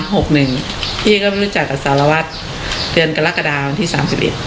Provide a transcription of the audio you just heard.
หกหนึ่งพี่ก็รู้จักกับสารวัตรเตือนกระลักษณ์ดาวนที่สามสิบอีก